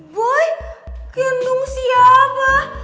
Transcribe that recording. boy gendung siapa